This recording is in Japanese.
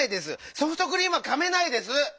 ソフトクリームはかめないです！